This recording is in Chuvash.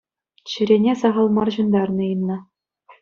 Чӗрене сахал мар ҫунтарнӑ Инна.